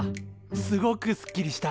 すごくすっきりした。